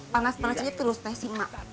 panas panasnya terus nanti si mak